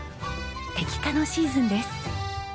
摘果のシーズンです。